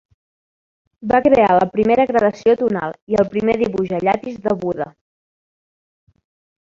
Va crear la primera gradació tonal i el primer dibuix a llapis de Buda.